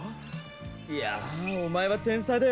いやあお前は天才だよ。